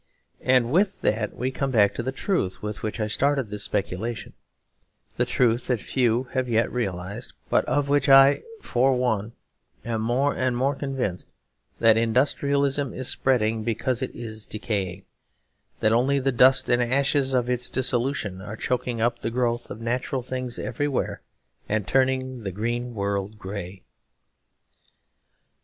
And with that we come back to the truth with which I started this speculation; the truth that few have yet realised, but of which I, for one, am more and more convinced that industrialism is spreading because it is decaying; that only the dust and ashes of its dissolution are choking up the growth of natural things everywhere and turning the green world grey.